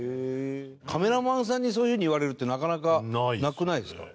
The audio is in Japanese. カメラマンさんにそういう風に言われるってなかなかなくないですか？